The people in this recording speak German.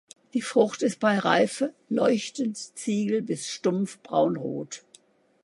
Die Frucht ist bei Reife leuchtend ziegel- bis stumpf-braunrot.